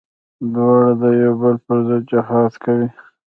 دواړه د يو بل پر ضد جهاد کوي.